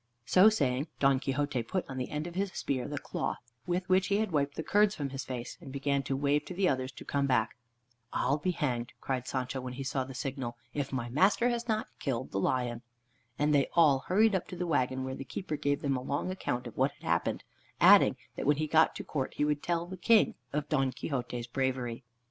So saying, Don Quixote put on the end of his spear the cloth with which he had wiped the curds from his face, and began to wave to the others to come back. "I'll be hanged," cried Sancho when he saw this signal, "if my master has not killed the lion." And they all hurried up to the wagon where the keeper gave them a long account of what had happened, adding, that when he got to court he would tell the King of Don Quixote's bravery.